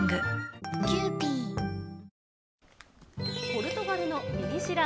ポルトガルのミリ知ら